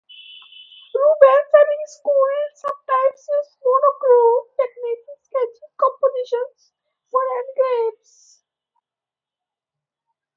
Rubens and his school sometimes use monochrome techniques in sketching compositions for engravers.